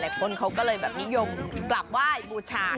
หลายคนเขาก็เลยยมกลับไหว้บูชากัน